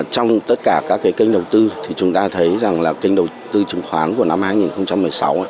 trong tất cả các kênh đầu tư chúng ta thấy kênh đầu tư chứng khoán năm hai nghìn một mươi sáu